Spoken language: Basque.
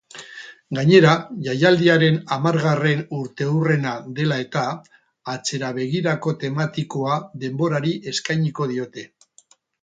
Gainera, jaialdiaren harmargarren urteurrena dela eta, atzerabegirako tematikoa denborari eskainiko diote.